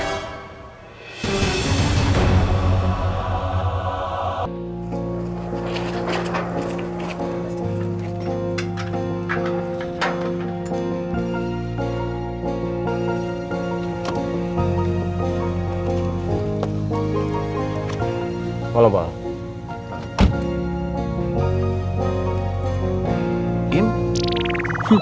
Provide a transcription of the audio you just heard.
iqbal pak noval cipsahnya